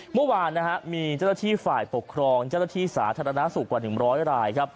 เมื่อวานมีเจ้าหน้าที่ฝ่ายปกครองเจ้าหน้าที่สาธารณสุขกว่า๑๐๐ราย